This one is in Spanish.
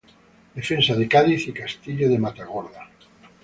Defensa de Cádiz y castillo de Matagorda.